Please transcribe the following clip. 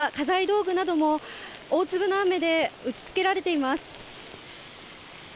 後片づけによって出た家財道具なども、大粒の雨で打ちつけられています。